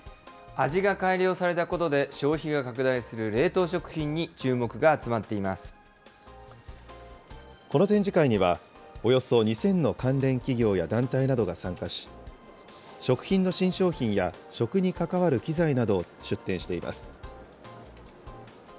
味が改良されたことで、消費が拡大する冷凍食品に注目が集まこの展示会には、およそ２０００の関連企業や団体などが参加し、食品の新商品や食に関わる機材などを出展しています。